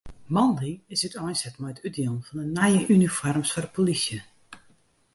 Moandei is úteinset mei it útdielen fan de nije unifoarms foar de polysje.